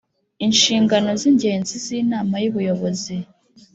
Inshingano z’ingenzi z’Inama y’Ubuyobozi